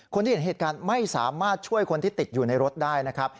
คนที่เห็นเหตุการณ์ไม่สามารถช่วยคนที่ติดอยู่ในรถได้นะครับ